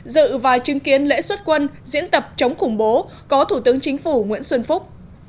dự và chứng kiến lễ xuất quân diễn tập chống khủng bố có thủ tướng chính phủ nguyễn xuân phúc